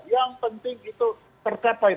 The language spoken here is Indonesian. yang penting itu tercapai